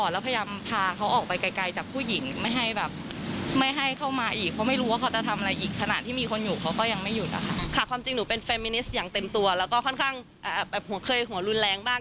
แล้วก็ค่อนข้างแบบคะเขยหัวรุนแรงบ้าง